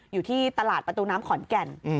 อยู่ที่ตลาดประตูน้ำขอนแก่น